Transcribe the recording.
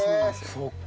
そっか。